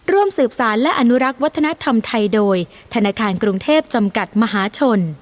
ร่วมสืบสารและอนุรักษ์วัฒนธรรมไทยโดยธนาคารกรุงเทพจำกัดมหาชน